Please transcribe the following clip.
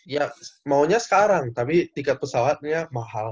ya maunya sekarang tapi tiket pesawatnya mahal